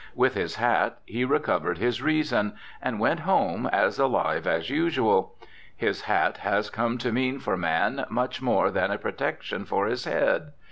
With his hat he recovered his reason, and went home as alive as usual. His hat has come to mean for man much more than a protection for his head.